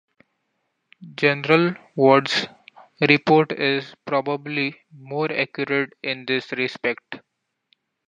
General Ward's report is probably more accurate in this respect.